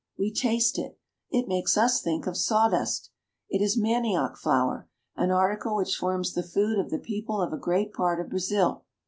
We taste it. It makes us think of sawdust. It is manioc flour, an article which forms the food of the people of a great part of Brazil.